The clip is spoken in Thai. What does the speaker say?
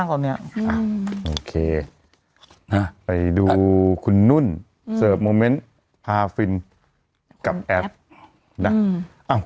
ใช่เห็นปางมากว่านี้